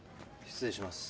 失礼します。